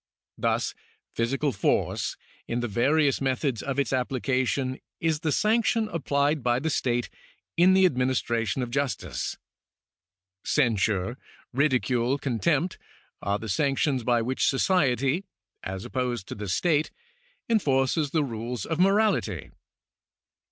Thus physical force, in the various methods of its application, is the sanction 1 Tractatus Politicus, I. 5. 12 CIVIL LAW [§ 6 applied by the state in the administration of justice. Cen sure, ridicule, contempt, are the sanctions by which society (as opposed to the state) enforces the rules of morality.